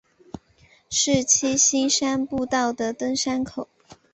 是七星山步道的登山口。